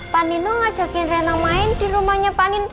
pak nino ngajakin reina main di rumahnya pak nino